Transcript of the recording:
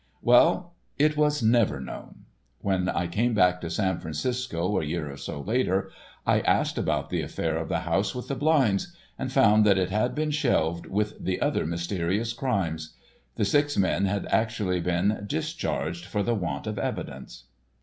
Well, it was never known. When I came back to San Francisco a year or so later I asked about the affair of the house with the blinds, and found that it had been shelved with the other mysterious crimes: The six men had actually been "discharged for the want of evidence."